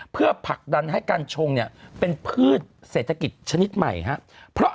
เพื่อผลักดันให้กัญชงเนี่ยเป็นพืชเศรษฐกิจชนิดใหม่ครับ